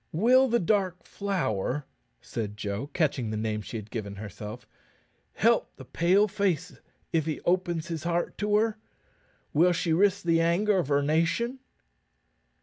"Will the Dark Flower," said Joe, catching the name she had given herself, "help the Pale face if he opens his heart to her? Will she risk the anger of her nation?"